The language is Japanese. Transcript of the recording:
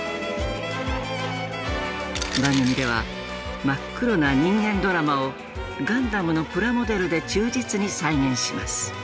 番組では真っ黒な人間ドラマをガンダムのプラモデルで忠実に再現します。